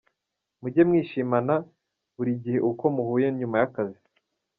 Mujye mwishimana buri gihe uko muhuye nyuma y’akazi.